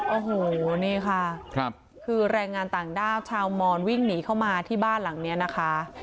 โอ้โหนี่ค่ะคือแรงงานต่างด้าวชาวมอนวิ่งหนีเข้ามาที่บ้านหลังนี้นะคะ